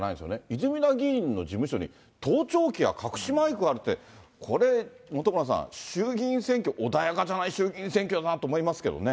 泉田議員の事務所に盗聴器や隠しマイクがあるって、これ、本村さん、衆議院選挙、穏やかじゃない衆議院選挙だなと思いますけどね。